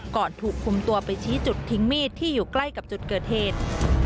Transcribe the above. ก่อนถูกคุมตัวไปชี้จุดทิ้งมีดที่อยู่ใกล้กับจุดเกิดเหตุ